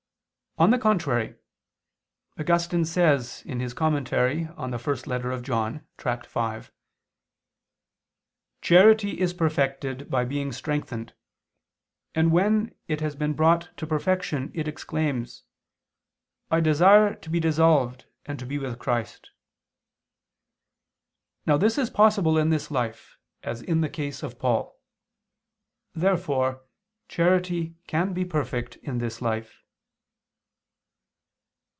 On the contrary, Augustine says (In prim. canon. Joan. Tract. v) "Charity is perfected by being strengthened; and when it has been brought to perfection, it exclaims, 'I desire to be dissolved and to be with Christ.'" Now this is possible in this life, as in the case of Paul. Therefore charity can be perfect in this life.